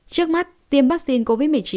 trước mắt tiêm vaccine covid một mươi chín